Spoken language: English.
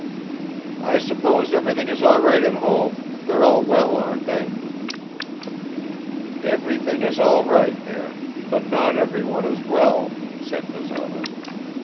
"I suppose everything is all right at home; they're all well, aren't they?" "Everything is all right there, but not everyone is well," said Bazarov.